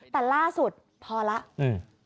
แต่ล่าสุดพอแล้ว